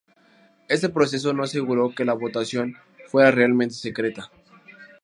Este proceso no aseguró que la votación fuera realmente secreta.